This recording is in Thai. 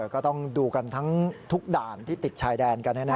ก็ต้องดูกันทั้งทุกด่านที่ติดชายแดนกัน